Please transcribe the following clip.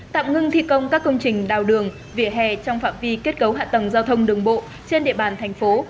tạm ngưng thi công các công trình đào đường vỉa hè trong phạm vi kết cấu hạ tầng giao thông đường bộ trên địa bàn thành phố